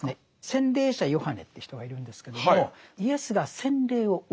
洗礼者ヨハネという人がいるんですけどもイエスが洗礼を受けるんですね。